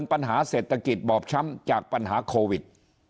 ปัญหาเศรษฐกิจบอบช้ำจากปัญหาโควิด